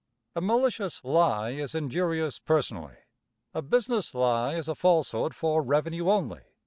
A malicious lie is injurious personally. A business lie is a falsehood for revenue only.